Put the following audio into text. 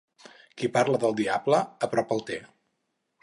Qui parla del diable, a prop el té.